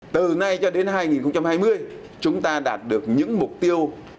từ nay cho đến hai nghìn hai mươi chúng ta đạt được những mục tiêu